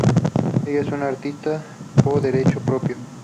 Ella es una artista po derecho propio.".